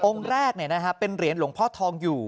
องค์แรกเนี่ยนะฮะเป็นเหรียญหลงพ่อทองอยู่